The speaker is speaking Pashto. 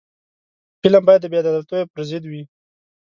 فلم باید د بې عدالتیو پر ضد وي